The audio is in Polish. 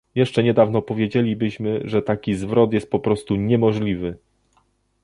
Jeszcze niedawno powiedzielibyśmy, że taki zwrot jest po postu niemożliwy